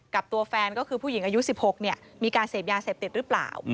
กับตัวแฟนก็คือผู้หญิงอายุ๑๖มีการเสพยาเสพติดหรือเปล่า